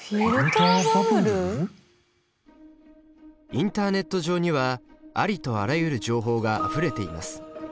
インターネット上にはありとあらゆる情報があふれています。